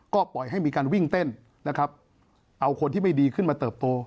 ก็ปล่อยให้มีการวิ่งเต้นนะครับเอาคนที่ไม่ดีขึ้นมาเติบโต